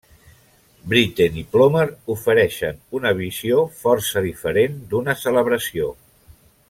Britten i Plomer ofereixen una visió força diferent d'una celebració.